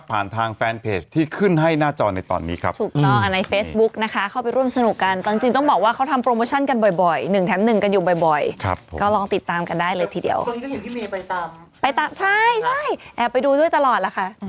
ก็ลองติดตามกันได้เลยทีเดียวตอนนี้ก็เห็นพี่เมย์ไปตามใช่แอบไปดูด้วยตลอดล่ะค่ะ